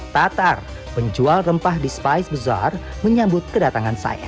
tatar penjual rempah di spice besar menyambut kedatangan saya